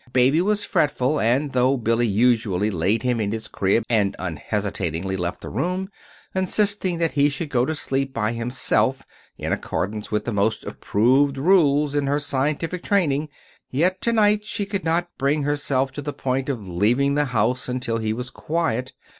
Baby was fretful, and though Billy usually laid him in his crib and unhesitatingly left the room, insisting that he should go to sleep by himself in accordance with the most approved rules in her Scientific Training; yet to night she could not bring herself to the point of leaving the house until he was quiet.